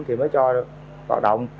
thì mới cho hoạt động